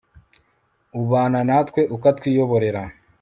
ubana natwe ukatwiyoborera